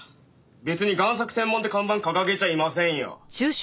別に贋作専門って看板掲げちゃいませんよ。